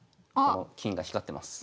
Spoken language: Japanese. この金が光ってます。